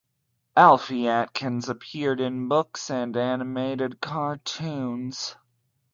Alfie Atkins appears in books and animated cartoons.